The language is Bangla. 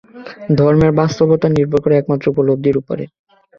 ধর্মের বাস্তবতা নির্ভর করে একমাত্র উপলব্ধির উপর।